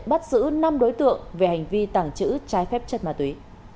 bắt giữ năm đối tượng về hành vi tảng chữ trái phép chất ma túy